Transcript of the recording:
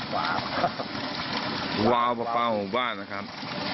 ว้าวป่าป่าหมู่บ้านนะครับ